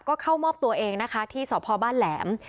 ก็เข้ามอบตัวเองนะคะที่สพบ้านแหลม